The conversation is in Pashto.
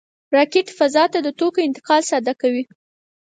راکټ فضا ته د توکو انتقال ساده کوي